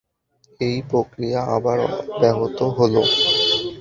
এই প্রক্রিয়া আবার ব্যাহত হল।